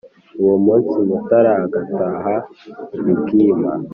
uwo munsi mutára agataha i bwíma